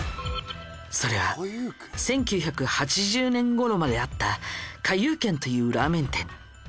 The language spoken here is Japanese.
それは１９８０年ごろまであった花遊軒というラーメン店。